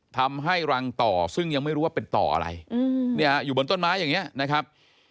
ทำให้รังต่อซึ่งยังไม่รู้ว่าเป็นต่ออะไรเนี่ยอยู่บนต้นไม้อย่างนี้นะครับ